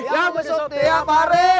yang menyusup tiap hari